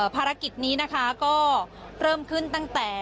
ภารกิจนี้เริ่มขึ้นตั้งแต่